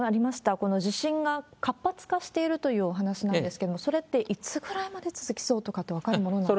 この地震が活発化しているというお話なんですけれども、それっていつぐらいまで続きそうとかって分かるものなんですか？